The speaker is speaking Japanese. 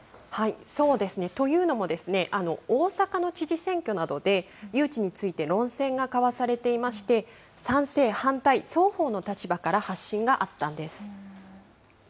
そうですね。というのも、大阪の知事選挙などで、誘致について論戦が交わされていまして、賛成、反対、双方の立場から発信があったんです。